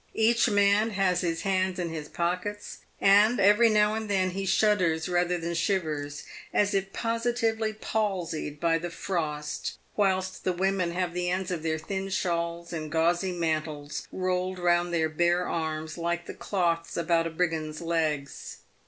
Each man has his hands in his pockets, and every now and then he shudders rather than shivers, as if positively palsied by the frost, whilst the women have the ends of their thin shawls and gauzy mantles rolled round their bare arms, like the cloths about a brigand's legs.